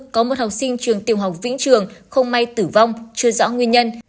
có một học sinh trường tiểu học vĩnh trường không may tử vong chưa rõ nguyên nhân